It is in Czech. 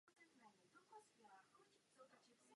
Kvůli dopingu však medaili vrátila.